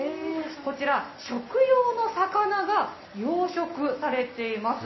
こちら、食用の魚が養殖されています。